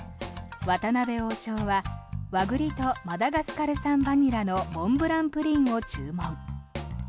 渡辺王将は和栗とマダガスカル産バニラのモンブランプリンを注文。